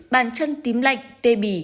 bàn chân tím lạnh tê bì